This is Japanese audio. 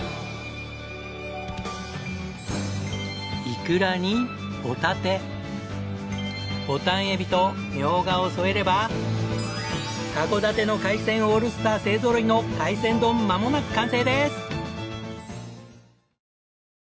イクラにホタテボタンエビとミョウガを添えれば函館の海鮮オールスター勢揃いの海鮮丼まもなく完成です！